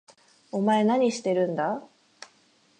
お前何してるんだ？